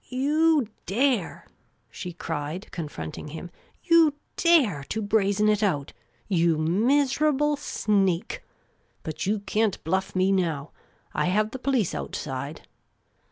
"You dare?" she cried, confronting him. " You dare to brazen it out ? You miserable sneak ! But you can't bluff me now. I have the police outside."